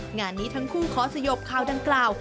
งานนี้ทั้งคู่ขอสยบข่าวดังกล่าว